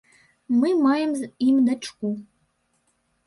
Мы маем з ім дачку.